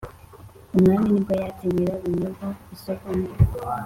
umwami, ni bwo yatse nyirarunyonga isogi ngo